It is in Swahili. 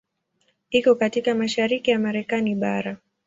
Iko katika mashariki ya Marekani bara.